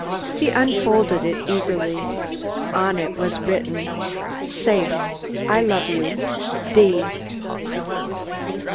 He unfolded it eagerly; on it was written: Safe. I love you.